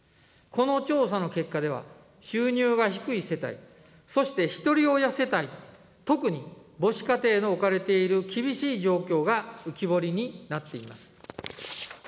この調査の結果では、収入が低い世帯、そしてひとり親世帯、特に母子家庭の置かれている厳しい状況が浮き彫りになっています。